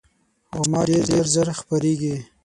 غوماشې ډېر ژر خپرېږي.